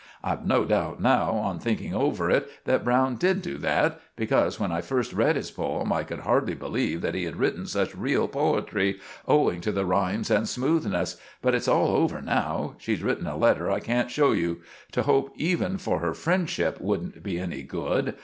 I've no doubt now, on thinking over it, that Browne did do that; because when I first read his poem I could hardly believe that he had written such real poetry, owing to the rimes and smoothness. But it's all over now. She's written a letter I can't show you. To hope even for her friendship wouldn't be any good.